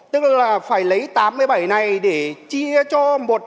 tức là phải lấy tám mươi bảy này để chia cho một trăm hai mươi một trăm bốn mươi hai